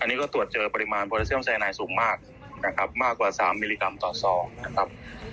อันนี้ก็ตรวจเจอปริมาณโปรดาเซียมไซนายสูงมากนะครับมากกว่า๓มิลลิกรัมต่อซองนะครับ